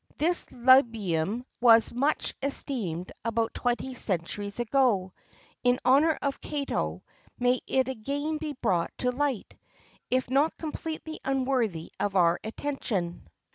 This libum was much esteemed about twenty centuries ago; in honour of Cato may it again be brought to light, if not completely unworthy of our attention.